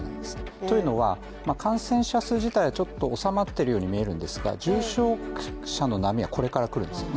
というのは、感染者数自体はちょっと収まっているように見えるんですが、重症者の波はこれからくるんですよね